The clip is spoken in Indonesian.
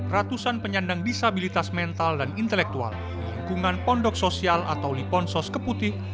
ratusan penyandang disabilitas mental dan intelektual lingkungan pondok sosial atau liponsos keputih